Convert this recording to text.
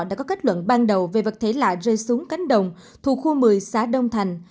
đã có kết luận ban đầu về vật thể lạ rơi xuống cánh đồng thuộc khu một mươi xã đông thành